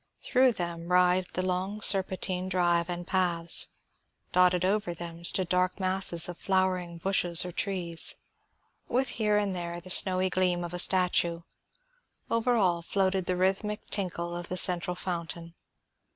Through them writhed the long serpentine drive and paths; dotted over them stood dark masses of flowering bushes or trees, with here and there the snowy gleam of a statue; over all floated the rhythmic tinkle of the central fountain.